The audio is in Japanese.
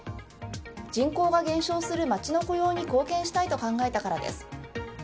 人口が減少する街の雇用に貢献したいと考えたからです。